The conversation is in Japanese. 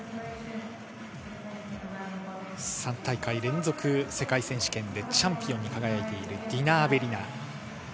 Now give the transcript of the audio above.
３大会連続、世界選手権チャンピオンに輝いているディナ・アベリナ。